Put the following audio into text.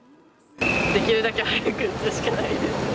できるだけ早く打つしかないですね。